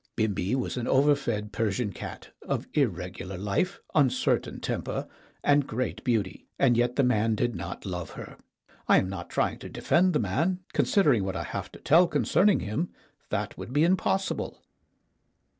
Bimbi was an overfed Persian cat, of irregular life, uncertain temper, and great beauty, and yet the man did not love her. I am not trying to defend the man; considering what I have to tell con cerning him, that would be impossible.